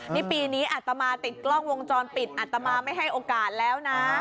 นี่ปีนี้อัตมาติดกล้องวงจรปิดอัตมาไม่ให้โอกาสแล้วนะ